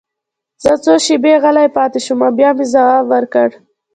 زه څو شېبې غلی پاتې شوم او بیا مې ځواب ورکړ